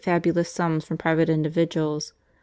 47 fabulous sums from private individuals.